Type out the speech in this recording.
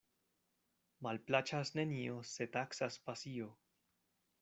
Malplaĉas nenio, se taksas pasio.